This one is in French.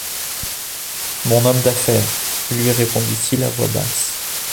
Mon homme d’affaires, lui répondit-il à voix basse.